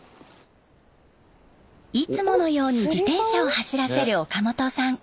いつもように自転車を走らせる岡本さん。